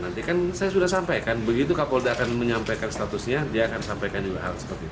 nanti kan saya sudah sampaikan begitu kapolda akan menyampaikan statusnya dia akan sampaikan juga hal seperti itu